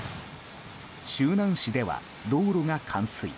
周南市では道路が冠水。